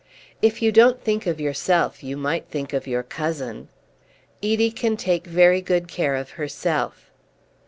"If you don't think of yourself, you might think of your cousin." "Edie can take very good care of herself."